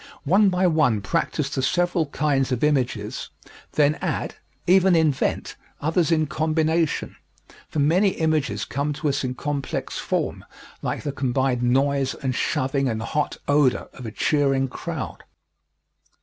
One by one practise the several kinds of images; then add even invent others in combination, for many images come to us in complex form, like the combined noise and shoving and hot odor of a cheering crowd.